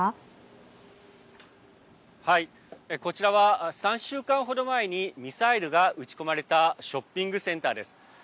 こちらは３週間ほど前にミサイルが撃ち込まれたショッピングセンターです。